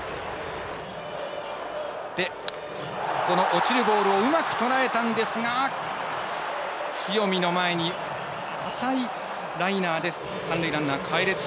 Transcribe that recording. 落ちるボールをうまくとらえたんですが塩見の前に浅いライナーで三塁ランナー、かえれず。